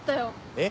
えっ？